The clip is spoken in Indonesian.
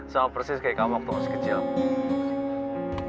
sama persis kayak kamu waktu masih kecil